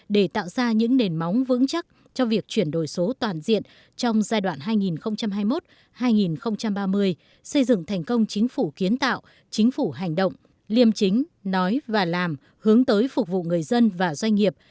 để tạo ra những nền móng vững chắc cho việc chuyển đổi số toàn diện trong giai đoạn hai nghìn hai mươi một hai nghìn ba mươi xây dựng thành công chính phủ kiến tạo chính phủ hành động liêm chính nói và làm hướng tới phục vụ người dân và doanh nghiệp